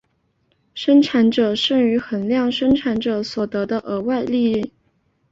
生产者剩余衡量生产者所得到的额外利益。